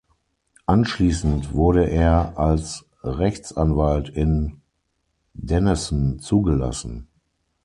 Anschließend wurde er als Rechtsanwalt in Denison zugelassen.